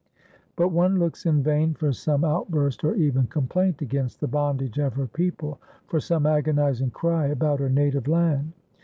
But one looks in vain for some outburst or even complaint against the bondage of her people, for some agonizing cry about her native land.